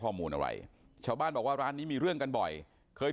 ตอนนี้กำลังจะโดดเนี่ยตอนนี้กำลังจะโดดเนี่ย